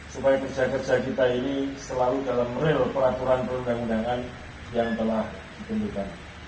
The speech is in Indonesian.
supaya kerja kerja kita ini selalu dalam real peraturan perundang undangan yang telah ditunjukkan